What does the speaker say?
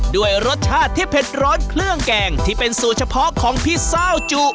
ด้วยรสชาติที่เผ็ดร้อนเครื่องแกงที่เป็นสูตรเฉพาะของพี่เศร้าจุ